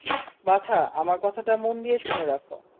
বাছা, আমার কথাটা মন দিয়ে শুনে রাখ।